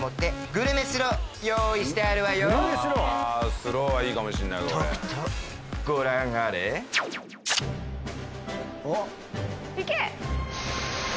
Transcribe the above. スローはいいかもしんないとくとご覧あれおっいけ！